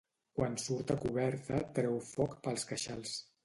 Quan surt a coberta treu foc pels queixals.